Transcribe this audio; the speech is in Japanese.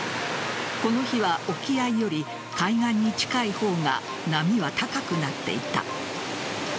この日は沖合より海岸に近い方が波は高くなっていた。